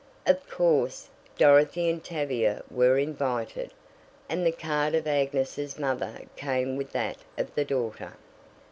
Of course, Dorothy and Tavia were invited, and the card of Agnes' mother came with that of the daughter.